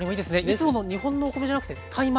いつもの日本のお米じゃなくてタイ米。